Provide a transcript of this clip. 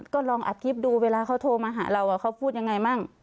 ก็ลองอัดคลิปดูเวลาเขาโทรมาหาเราเขาพูดยังไงมั่ง